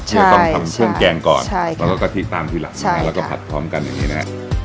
จะต้องทำเครื่องแกงก่อนแล้วก็กะทิตามทีหลังแล้วก็ผัดพร้อมกันอย่างนี้นะฮะ